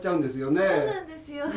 そうなんですよ。